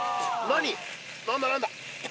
何だ